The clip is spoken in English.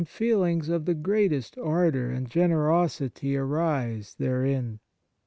37 On Piety feelings of the greatest ardour and generosity arise therein.